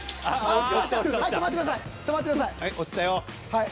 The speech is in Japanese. はい。